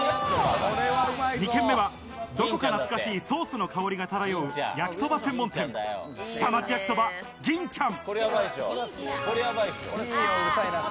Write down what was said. ２軒目はどこか懐かしいソースの香りが漂う焼きそば専門店、「下町焼きそば銀ちゃん」。